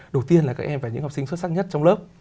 đầu tiên là các em phải là những học sinh xuất sắc nhất trong lớp